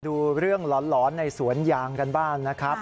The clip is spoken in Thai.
ดูเรื่องหลอนในสวนยางกันบ้างนะครับ